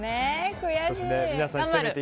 悔しい！